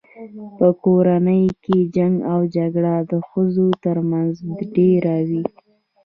په کورونو کي جنګ او جګړه د ښځو تر منځ ډیره وي